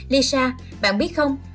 lisa bạn biết không